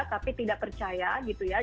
tapi tidak percaya gitu ya